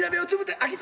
あきひさ。